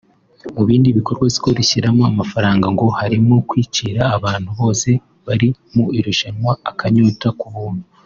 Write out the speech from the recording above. Ibindi bikorwa Skol ishyiramo amafaranga ngo harimo kwicira abantu bose bari mu irushanwa akanyota ku buntu